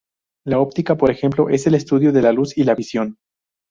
La "óptica", por ejemplo es el estudio de la luz y la visión.